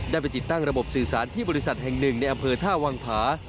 ไปติดตั้งระบบสื่อสารที่บริษัทแห่งหนึ่งในอำเภอท่าวังผา